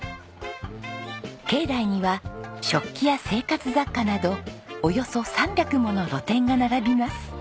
境内には食器や生活雑貨などおよそ３００もの露店が並びます。